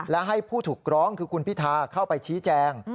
และให้ผู้ถูกร้องคือคุณพิธาเข้าไปชี้แจง